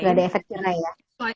nggak ada efeknya ya